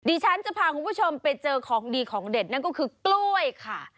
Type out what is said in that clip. ฉันจะพาคุณผู้ชมไปเจอของดีของเด็ดนั่นก็คือกล้วยค่ะ